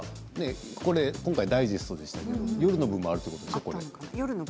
今回ダイジェストですけど夜の部もあるんですか？